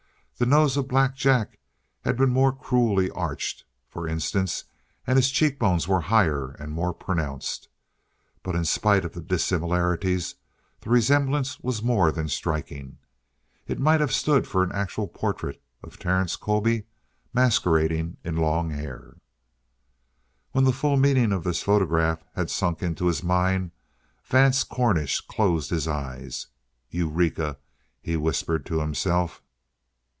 The nose of Black Jack had been more cruelly arched, for instance, and his cheekbones were higher and more pronounced. But in spite of the dissimilarities the resemblance was more than striking. It might have stood for an actual portrait of Terence Colby masquerading in long hair. When the full meaning of this photograph had sunk into his mind, Vance Cornish closed his eyes. "Eureka!" he whispered to himself.